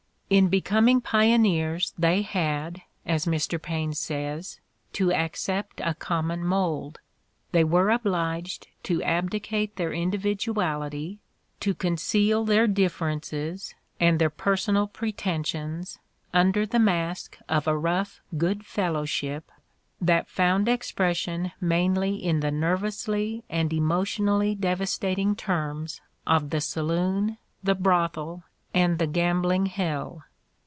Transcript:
In be coming pioneers they had, as Mr. Paine says, to accept a common mold; they were obliged to abdicate their individuality, to conceal their differences and their personal pretensions under the mask of a rough good fellowship that found expression mainly in the ner vously and emotionally devastating terms of the saloon, the brothel and the gambling hell.